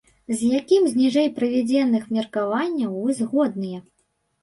З якім з ніжэй прыведзеных меркаванняў вы згодныя?